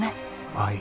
はい。